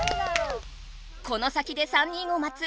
この先で３人をまつ